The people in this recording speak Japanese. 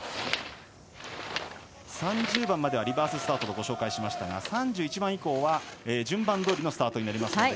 ３０番まではリバーススタートとご紹介しましたが３１番以降は順番どおりのスタートになります。